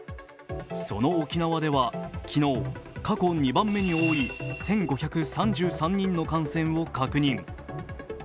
その沖縄では昨日、過去２番目に多い１５５３人の感染を確認。